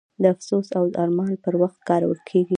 د افسوس او ارمان پر وخت کارول کیږي.